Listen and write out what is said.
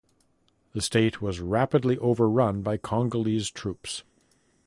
The state was rapidly overrun by Congolese troops.